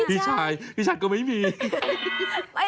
พี่ชายก็ไม่มี